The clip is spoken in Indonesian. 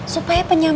supaya penyakit kita